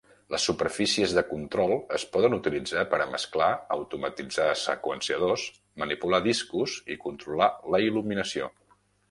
Les superfícies de control es poden utilitzar per a mesclar, automatitzar seqüenciadors, manipular discos i controlar la il·luminació.